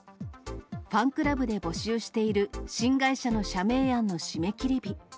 ファンクラブで募集している新会社の社名案の締め切り日。